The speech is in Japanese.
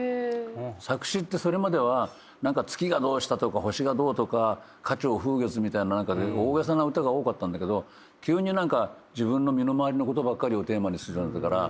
作詞ってそれまでは月がどうしたとか星がどうとか花鳥風月みたいな大げさな歌が多かったんだけど急に自分の身の回りのことばっかりをテーマにするようになったから。